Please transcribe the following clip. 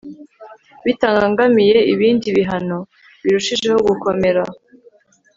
bitabangamiye ibindi bihano birushijeho gukomera